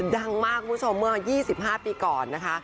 ดังมากคุณผู้ชมเมื่อ๒๕ปีก่อนนะคะ